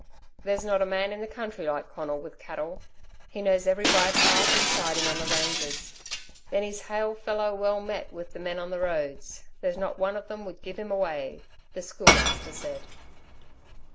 "There's not a man in the country like Conal with cattle. He knows every by path and siding on the ranges. Then he's hail fellow well met with the men on the roads. There's not one of them would give him away," the Schoolmaster said.